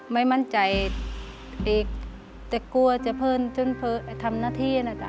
ไม่มั่นใจอีกแต่กลัวจะเพิ่มจนเพิ่มทำหน้าที่น่ะจ๊ะ